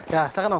ya silahkan om